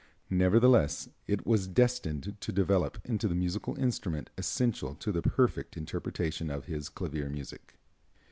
Nevertheless, it was destined to develop into the musical instrument essential to the perfect interpretation of his clavier music.